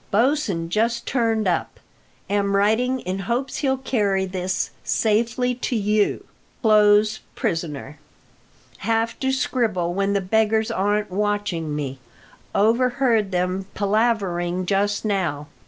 Bosin just turned up. Am writing in hopes he'll carry this safely to you. Close prisoner. Have to scribble when the beggars aren't watching me. Overheard them palavering just now.